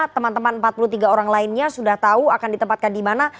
teman teman empat puluh tiga orang lainnya sudah tahu akan ditempatkan di mana